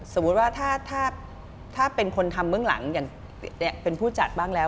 สมมุติว่าถ้าเป็นคนทำเบื้องหลังอย่างเป็นผู้จัดบ้างแล้ว